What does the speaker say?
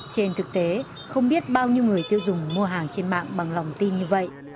trên thực tế không biết bao nhiêu người tiêu dùng mua hàng trên mạng bằng lòng tin như vậy